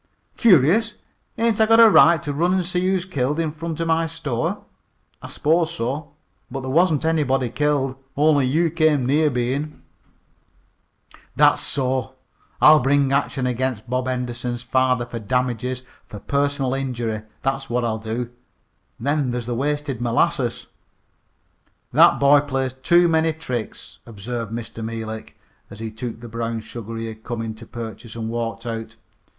"Curious! Ain't I got a right to run an' see who's killed in front of my store?" "I s'pose so. But there wasn't anybody killed; only you came near being." "That's so. I'll bring an action against Bob Henderson's father for damages for personal injuries, that's what I'll do. Then there's the wasted molasses." "That boy plays too many tricks," observed Mr. Meelik as he took the brown sugar he had come in to purchase and walked out.